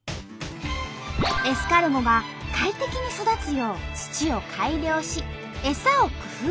エスカルゴが快適に育つよう土を改良しエサを工夫。